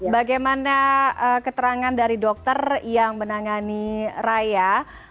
bagaimana keterangan dari dokter yang menangani raya